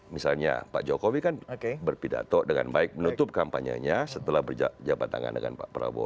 misalnya pak jokowi kan berpidato dengan baik menutup kampanyenya setelah berjabat tangan dengan pak prabowo